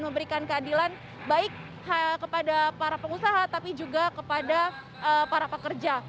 baik kepada para pengusaha tapi juga kepada para pekerja